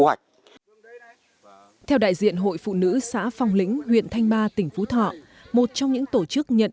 hoạch theo đại diện hội phụ nữ xã phong lĩnh huyện thanh ba tỉnh phú thọ một trong những tổ chức nhận